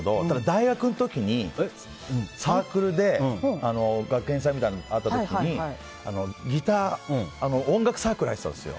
大学の時にサークルで学園祭みたいなのがあった時にギター、音楽サークル入ってたんですよ。